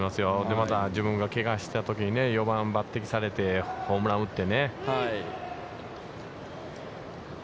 また、自分がけがしたときに４番抜てきされて、ホームランを打ってね。